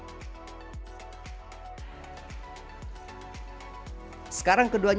semoga bisa menemuilkannya secara keseluruhan